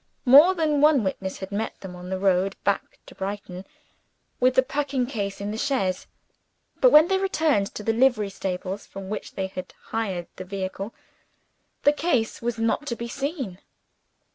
More than one witness had met them on the road back to Brighton, with the packing case in the chaise. But when they returned to the livery stables from which they had hired the vehicle, the case was not to be seen.